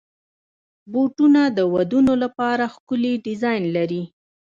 بوټونه د ودونو لپاره ښکلي ډیزاین لري.